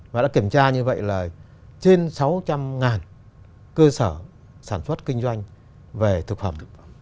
và đã kiểm tra như vậy là trên sáu trăm linh cơ sở sản xuất kinh doanh về thực phẩm